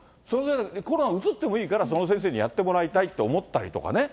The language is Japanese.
コロナうつってもいいから、その先生にやってもらいたいって思ったりとかね。